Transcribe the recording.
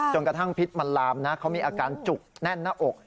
กระทั่งพิษมันลามนะเขามีอาการจุกแน่นหน้าอก